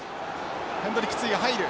ヘンドリックツイが入る。